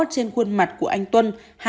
trên khuôn mặt của anh tuân